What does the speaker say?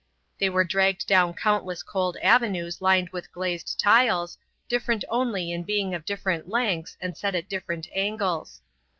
They were dragged down countless cold avenues lined with glazed tiles, different only in being of different lengths and set at different angles.